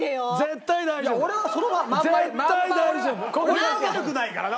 俺は悪くないからな。